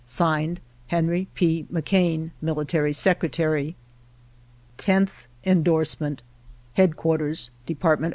(Signed) Henry P. McCain, Military Secretary. 10th Endorsement. Headquarters Dept.